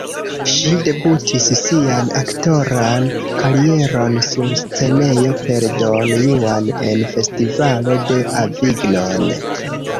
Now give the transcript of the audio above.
Ŝi debutis sian aktoran karieron sur scenejo, per "Don Juan" en Festivalo de Avignon.